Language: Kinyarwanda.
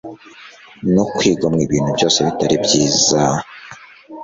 no kwigomwa ibintu byose bitari byiza